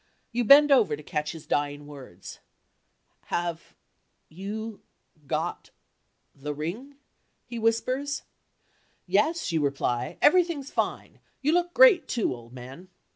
You bend over to catch his dying words. "Have—you—got—the ring?" he whispers. "Yes," you reply. "Everything's fine. You look great, too, old man."